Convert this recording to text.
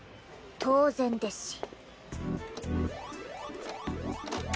当然ですし。